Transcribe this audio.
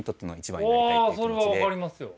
それは分かりますよ。